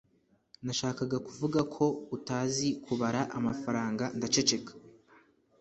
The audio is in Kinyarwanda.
nashakaga kuvugako utazi kubara amafaranga ndaceceka